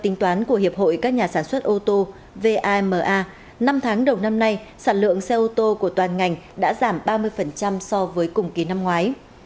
tính toán của hiệp hội các nhà sản xuất ô tô vama năm tháng đầu năm nay sản lượng xe ô tô của toàn ngành đã giảm ba mươi so với cùng kỳ năm ngoái